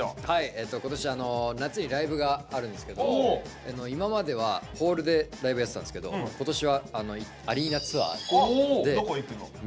今年夏にライブがあるんですけど今まではホールでライブやってたんすけどどこ行くの？